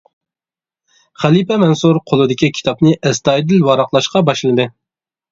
خەلىپە مەنسۇر قولىدىكى كىتابنى ئەستايىدىل ۋاراقلاشقا باشلىدى.